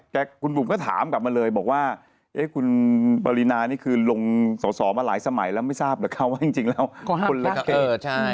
แต่คุณบุ๋มก็ถามกลับมาเลยบอกว่าคุณปรินานี่คือลงสอสอมาหลายสมัยแล้วไม่ทราบเหรอคะว่าจริงแล้วคนเล็กเกิด